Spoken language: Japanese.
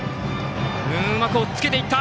うまくおっつけていった！